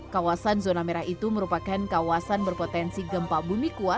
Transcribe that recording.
kawasan zona merah itu merupakan kawasan berpotensi gempa bumi